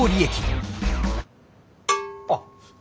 あっ。